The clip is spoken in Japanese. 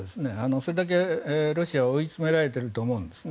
それだけロシアは追い詰められていると思うんですね。